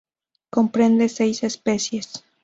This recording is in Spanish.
Comprende seis especies.